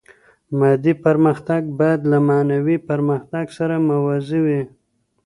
مادي پرمختګ باید له معنوي پرمختګ سره موازي وي.